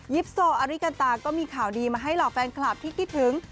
โซอาริกันตาก็มีข่าวดีมาให้เหล่าแฟนคลับที่คิดถึง